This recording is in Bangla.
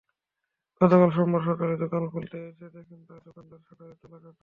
গতকাল সোমবার সকালে দোকান খুলতে এসে দেখেন তাঁর দোকানের শার্টারের তালা কাটা।